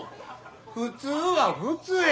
普通は普通や！